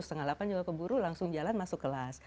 setengah delapan juga keburu langsung jalan masuk kelas